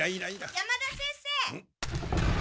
山田先生！